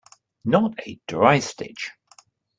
Not a dry stitch.